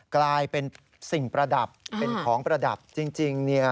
กลายเป็นสิ่งประดับเป็นของประดับจริงเนี่ย